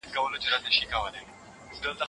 ما به هر ماښام هلته کتاب لوست.